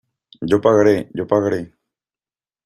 ¡ yo pagaré! ¡ yo pagaré !